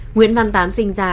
nguyễn văn tám sinh ra